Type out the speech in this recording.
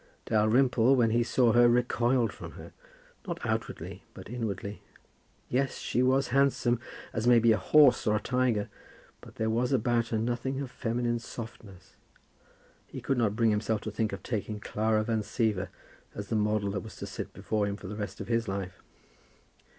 Dalrymple, when he saw her, recoiled from her, not outwardly, but inwardly. Yes, she was handsome, as may be a horse or a tiger; but there was about her nothing of feminine softness. He could not bring himself to think of taking Clara Van Siever as the model that was to sit before him for the rest of his life.